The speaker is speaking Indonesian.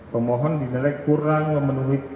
pemohon dinilai kurang memenuhi